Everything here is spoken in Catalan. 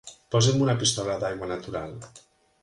Posi'm una pistola d'aigua natural.